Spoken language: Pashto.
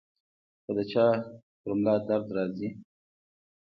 کۀ د چا پۀ ملا درد راځي -